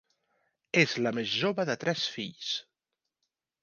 És la més jove de tres fills.